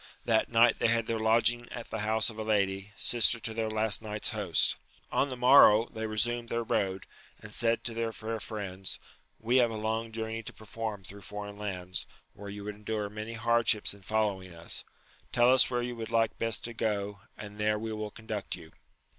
That night they had their lodging at the house of a lady, sister to their last night's host. On the morrow they resumed their road, and said to their fair friends, we have a long journey to perform thro* foreign lands, where you would endure many hardships in following us : tell us where you would like best to go, and there we will conduct you.